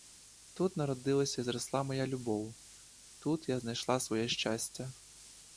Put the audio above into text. Тут народилася й зросла моя любов: тут я знайшла своє щастя.